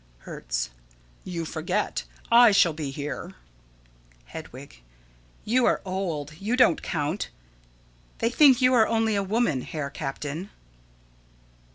Hertz: You forget. I shall be here. Hedwig: You are old. You don't count. They think you are only a woman, Herr Captain.